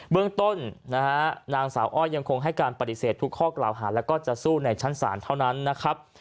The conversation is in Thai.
เรื่องต้นนะฮะนางสาวอ้อยยังคงให้การปฏิเสธทุกข้อกล่าวหาแล้วก็จะสู้ในชั้นศาลเท่านั้นนะครับ